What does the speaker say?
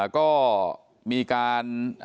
ก็มีการ